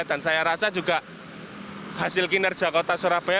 dan saya rasa juga hasil kinerja kota surabaya